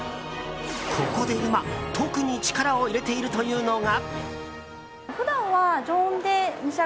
ここで今特に力を入れているというのが。